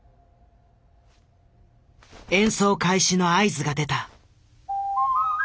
演奏開始の合図が出た。